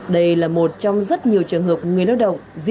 đây là một trong rất nhiều trường hợp người lao động